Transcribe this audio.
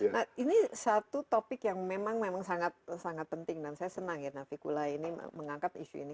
nah ini satu topik yang memang sangat penting dan saya senang ya navikula ini mengangkat isu ini